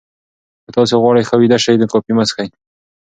که تاسي غواړئ ښه ویده شئ، نو کافي مه څښئ.